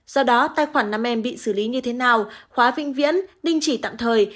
do đó tài khoản năm em bị xử lý như thế nào khóa vĩnh viễn đình chỉ tạm thời